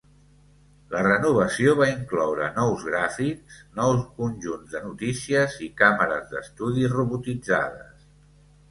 La renovació va incloure nous gràfics, nous conjunts de notícies i càmeres d'estudi robotitzades.